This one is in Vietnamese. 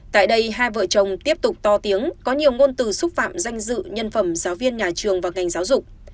tại đây hai vợ chồng tiếp tục to tiếng có nhiều ngôn từ xúc phạm danh dự nhân phẩm giáo viên nhà trường và ngành giáo dục